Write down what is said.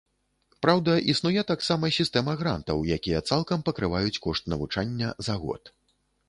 Праўда, існуе таксама сістэма грантаў, якія цалкам пакрываюць кошт навучання за год.